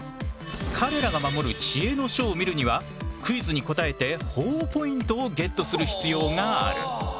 彼らが守る知恵の書を見るにはクイズに答えてほぉポイントをゲットする必要がある。